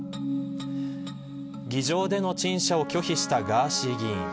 議場での陳謝を拒否したガーシー議員。